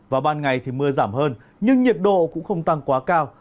và ban ngày thì mưa giảm hơn nhưng nhiệt độ cũng không tăng quá cao